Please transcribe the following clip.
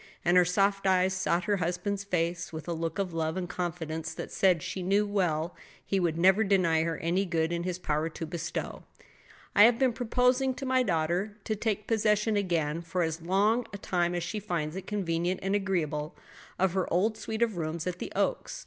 And her soft eyes sought her husband's face with a look of love and confidence that said she well knew he would never deny her any good in his power to bestow. "I have been proposing to my daughter to take possession again, for as long a time as she finds it convenient and agreeable, of her old suite of rooms at the Oaks.